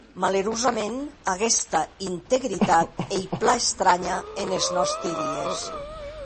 Malerosament, aguesta integritat ei plan estranha enes nòsti dies!